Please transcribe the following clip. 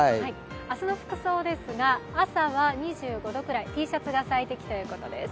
明日の服装ですが、朝は２５度くらいＴシャツが最適ということです。